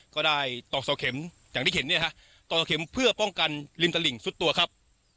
ตอกเสาเข็มอย่างที่เห็นเนี่ยฮะตอกเข็มเพื่อป้องกันริมตลิ่งสุดตัวครับ